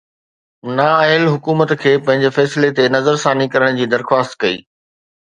نااهل حڪومت کي پنهنجي فيصلي تي نظرثاني ڪرڻ جي درخواست ڪئي